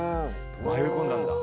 迷い込んだんだ。